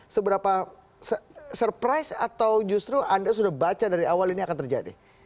seberapa surprise atau justru anda sudah baca dari awal ini akan terjadi